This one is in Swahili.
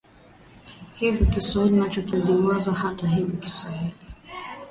Hivyo Kiswahili nacho kilidumazwa Hata hivyo Kiswahili